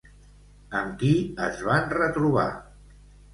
Amb qui es van retrobar?